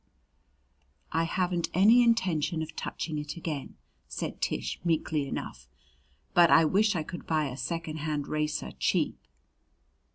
"I haven't any intention of touching it again," said Tish, meekly enough. "But I wish I could buy a second hand racer cheap."